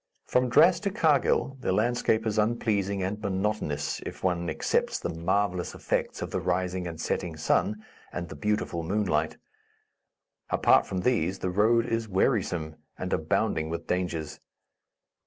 From Drass to Karghil the landscape is unpleasing and monotonous, if one excepts the marvellous effects of the rising and setting sun and the beautiful moonlight. Apart from these the road is wearisome and abounding with dangers.